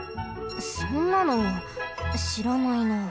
そんなのしらないなあ。